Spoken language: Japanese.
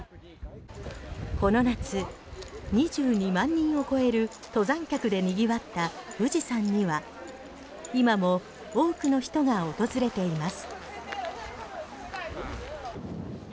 この夏、２２万人を超える登山客で賑わった富士山には今も多くの人が訪れています。